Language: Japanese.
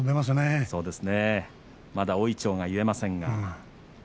まだ大いちょうが結えません。